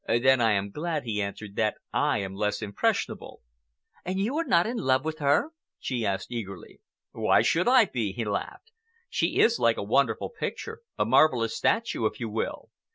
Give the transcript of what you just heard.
"Then I am glad," he answered, "that I am less impressionable." "And you are not in love with her?" she asked eagerly. "Why should I be?" he laughed. "She is like a wonderful picture, a marvelous statue, if you will.